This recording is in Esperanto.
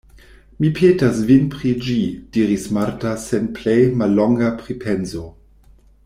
Mi petas vin pri ĝi, diris Marta sen plej mallonga pripenso.